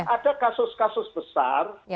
ada kasus kasus besar